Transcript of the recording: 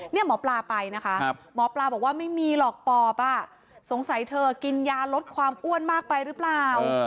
นี่หมอปลาไปนะคะหมอปลาบอกว่าไม่มีหรอกปอบสงสัยเธอกินยาลดความอ้วนมากไปหรือเปล่า